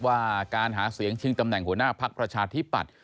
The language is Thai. ว่าการหาเสียงชิงตำแหน่งหัวหน้าภักดิ์ประชาธิปัตย